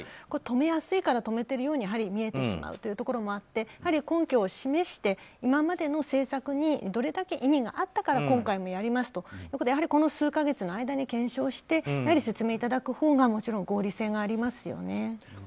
これらは止めやすいから止めるというふうにやはり見えてしまうというところもあって根拠を示して、今までの政策にどれだけ意味があったから今回もやりますとこの数か月の間に検証して、説明いただくほうが合理性がありますよね。